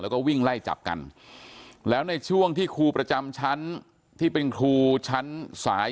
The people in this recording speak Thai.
แล้วก็วิ่งไล่จับกันแล้วในช่วงที่ครูประจำชั้นที่เป็นครูชั้นสาย